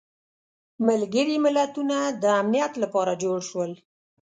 ملګري ملتونه د امنیت لپاره جوړ شول.